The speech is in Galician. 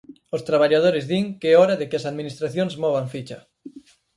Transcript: Os traballadores din que é hora de que as administracións movan ficha.